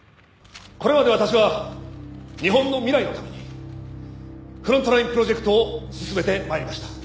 これまで私は日本の未来のためにフロントラインプロジェクトを進めて参りました。